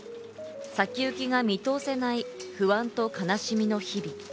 先行きが見通せない、不安と悲しみの日々。